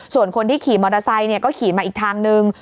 ส่วนคนที่ขี่มอเตอร์ไซค์ก็ขี่มาอีกทางนึง